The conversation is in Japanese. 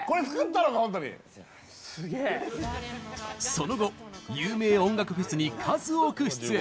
その後、有名音楽フェスに数多く出演。